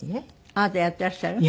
あなたやってらっしゃるの？